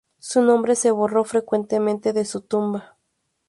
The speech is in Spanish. Su nombre se borró frecuentemente de su tumba.